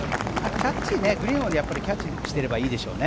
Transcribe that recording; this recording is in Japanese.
グリーンをキャッチしていればいいでしょうね。